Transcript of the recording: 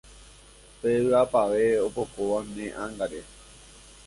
Pe vy'apavẽ opokóva ne ángare